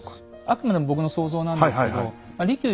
あくまでも僕の想像なんですけど利休